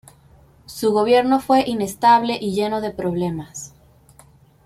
Su gobierno fue inestable y lleno de problemas.